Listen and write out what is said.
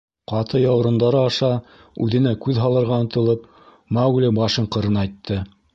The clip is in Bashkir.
Ҡаты яурындары аша үҙенә күҙ һалырға ынтылып, Маугли башын ҡырынайтты.